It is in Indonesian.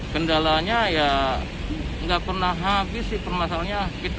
kendalanya ya nggak pernah habis sih permasalahannya